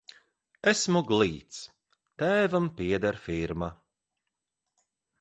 Esmu glīts, tēvam pieder firma.